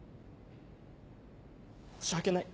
申し訳ない。